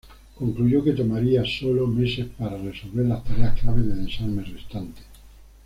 Concluyó que tomaría "solo meses" para resolver las tareas clave de desarme restante.